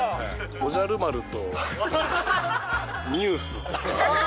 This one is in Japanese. おじゃる丸と、ニュースとか。